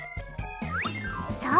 そう！